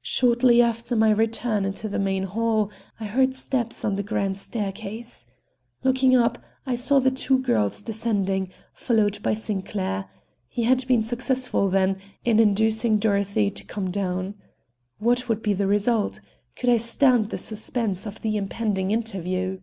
Shortly after my return into the main hall I heard steps on the grand staircase. Looking up, I saw the two girls descending, followed by Sinclair. He had been successful, then, in inducing Dorothy to come down. What would be the result? Could I stand the suspense of the impending interview?